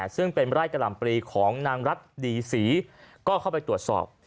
ซึ่งเป็นไร่กะหล่ำปลีของนางรัฐดีศรีก็เข้าไปตรวจสอบ